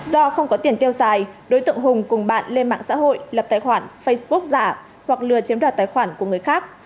do không có tiền tiêu xài đối tượng hùng cùng bạn lên mạng xã hội lập tài khoản facebook giả hoặc lừa chiếm đoạt tài khoản của người khác